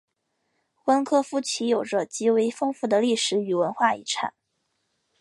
温科夫齐有着极为丰富的历史与文化遗产。